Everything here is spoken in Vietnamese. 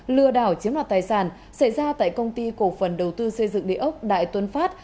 lừa đảo chiếm đoạt tài sản xảy ra tại công ty cổ phần đầu tư xây dựng địa ốc đại tuấn phát